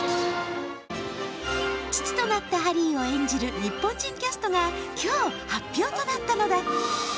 父となったハリーを演じる日本人キャストが今日、発表となったのだ。